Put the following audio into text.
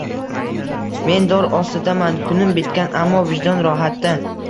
Men dor ostidaman, kunim bitgan, ammo vijdon rohatda!